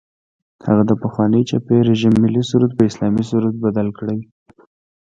هغه د پخواني چپي رژیم ملي سرود په اسلامي سرود بدل کړي.